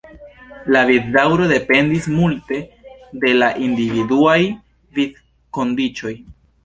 La vivdaŭro dependis multe de la individuaj vivkondiĉoj.